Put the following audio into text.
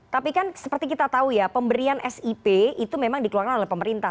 tapi kan seperti kita tahu ya pemberian sip itu memang dikeluarkan oleh pemerintah